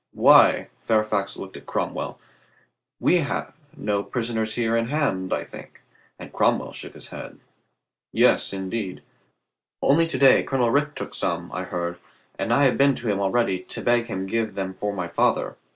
"Why," Fairfax looked at Cromwell. "We have no prisoners here in hand, I think," and Cromwell shook his head. "Yes, indeed. Only to day Colonel Rich took some, I heard, and I have been to him already to beg him give them for my father.